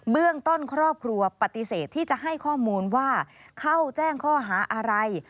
เรื่องต้นครอบครัวปฏิเสธที่จะให้ข้อมูลว่าเข้าแจ้งข้อหาอะไร